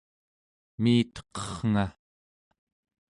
miiteqernga!